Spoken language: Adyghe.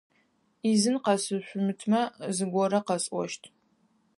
Ӏизын къысэшъутмэ, зыгорэ къэсӀощт.